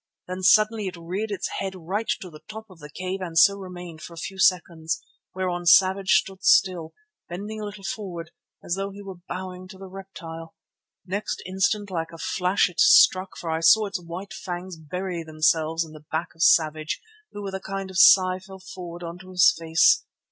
Then suddenly it reared its head right to the top of the cave and so remained for a few seconds, whereon Savage stood still, bending a little forward, as though he were bowing to the reptile. Next instant, like a flash it struck, for I saw its white fangs bury themselves in the back of Savage, who with a kind of sigh fell forward on to his face.